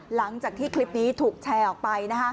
หลังจากที่คลิปนี้ถูกแชร์ออกไป